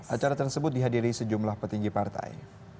acara tersebut dihadiri sejumlah petinggi partai